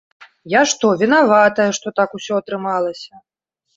Я што, вінаватая, што так усё атрымалася?